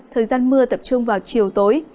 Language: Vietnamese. thời gian mưa tập trung vào chiều tối